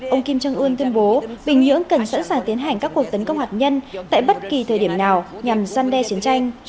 ông kim jong un tuyên bố bình nhưỡng cần sẵn sàng tiến hành các cuộc tấn công hạt nhân tại bất kỳ thời điểm nào nhằm gian đe chiến tranh